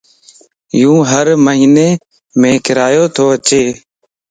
يوھر مھينيم ڪرايو تو ڏي